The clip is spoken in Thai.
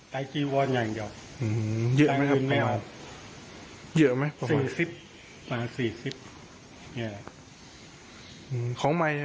ไตรจีวอนใหญ่เกี่ยว